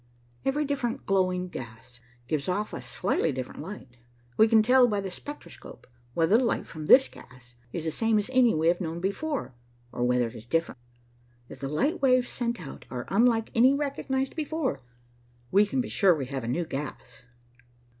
Every different glowing gas gives off a slightly different light. We can tell by the spectroscope whether the light from this gas is the same as any we have known before, or whether it is different. If the light waves sent out are unlike any recognized before, we can be sure we have a new gas."